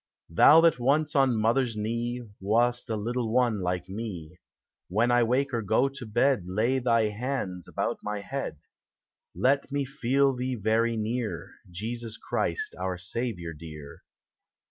Thou that once, on mother's knee. Wast a little one like me. When I wake or go to bed Lav thv hands about my head : Let me feel thee verv near, Jesus Christ, our Saviour dear.